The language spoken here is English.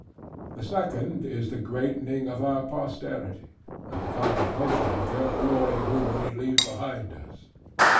The second is the greatening of our posterity, and the contemplation of their glory whom we leave behind us.